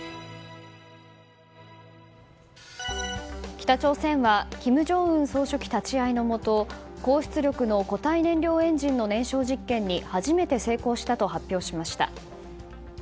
北朝鮮は金正恩総書記立ち会いのもと高出力の固体燃料エンジンの燃焼実験に初めて成功したと発表しました。